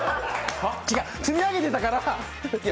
違う積み上げてたから。